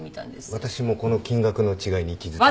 私もこの金額の違いに気付き。